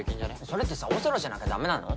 それってさオセロじゃなきゃダメなの？